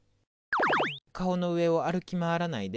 顔の上を歩き回らないで。